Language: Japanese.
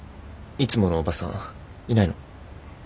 いつものおばさんいないの？